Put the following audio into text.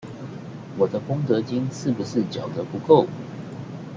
我功德金是不是繳得不夠？